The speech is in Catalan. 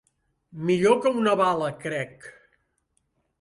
Millor que una bala, crec.